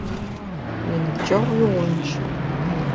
Уиныбджэгъу уигъундж.